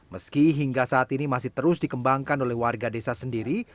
meski hingga saat ini masih terus dikembangkan oleh warga desa sendiri